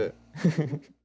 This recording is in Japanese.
フフフ。